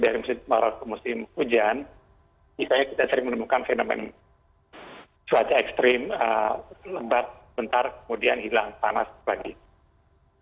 dari musim maret ke musim hujan misalnya kita sering menemukan fenomena cuaca ekstrim lembat bentar kemudian hilang panas lagi